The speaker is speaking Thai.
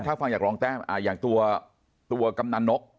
ถ้าฟังจากรองแต้มอย่างตัวกำนันนก